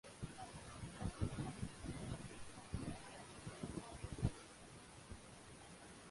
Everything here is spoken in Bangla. তবে, ভাষাতাত্ত্বিক ও সাহিত্য বিশারদ সুকুমার সেন এই মতের বিরোধীতা করেছেন।